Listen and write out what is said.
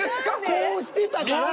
こうしてたから。